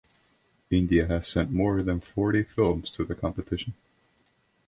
India has sent more than forty films to the competition.